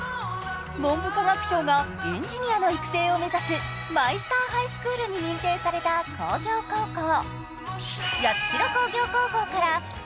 文部科学省がエンジニア育成を目指すマイスター・ハイスクールに認定された工業高校。